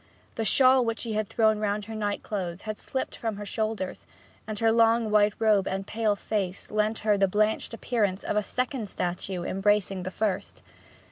The shawl which she had thrown round her nightclothes had slipped from her shoulders, and her long white robe and pale face lent her the blanched appearance of a second statue embracing the first.